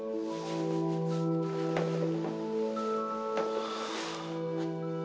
はあ。